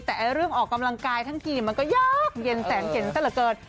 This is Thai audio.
แต่เรื่องออกกำลังกายทั้งทีมันก็ยากเย็นแสนเข็นซะเหลือเกิน